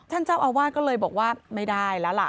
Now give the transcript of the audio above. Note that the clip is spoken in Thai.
เจ้าอาวาสก็เลยบอกว่าไม่ได้แล้วล่ะ